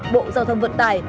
bộ giao thông vận tải